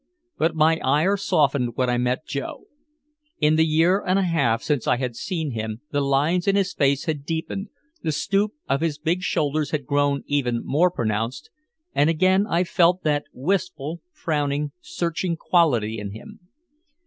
But my ire softened when I met Joe. In the year and a half since I had seen him the lines in his face had deepened, the stoop of his big shoulders had grown even more pronounced, and again I felt that wistful, frowning, searching quality in him.